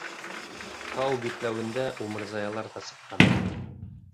Тау битләүендә умырзаялар ҙа сыҡҡан.